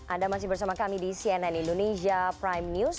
anda masih bersama kami di cnn indonesia prime news